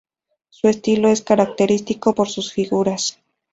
Su estilo es característico por sus figuras.